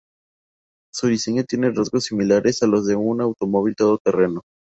Su diseño tiene ciertos rasgos similares a los de un automóvil todoterreno.